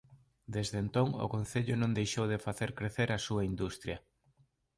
Desde entón o concello non deixou de facer crecer a súa industria.